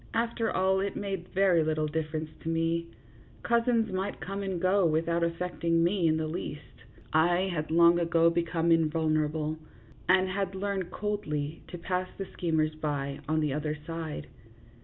After all, it made very little difference to me. Cousins might come and go without affecting me in the least. I had long ago become invulnerable, and 66 THE JUDGMENT OF PARIS REVERSED. had learned coldly to pass the schemers by on the other side.